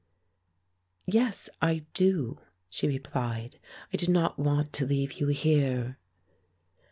"Yes, I do," she replied. "I do not want to leave you here."